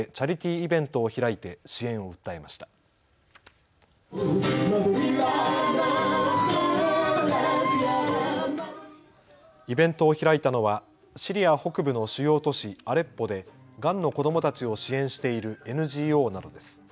イベントを開いたのはシリア北部の主要都市アレッポでがんの子どもたちを支援しているＮＧＯなどです。